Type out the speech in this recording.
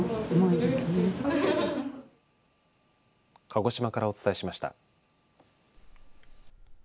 鹿児島からお伝えしました。